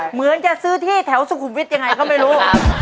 เหมือนจะซื้อที่แถวสุขุมวิทย์ยังไงก็ไม่รู้